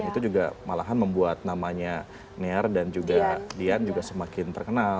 jadi mungkin bisa membuat namanya nair dan juga dian semakin terkenal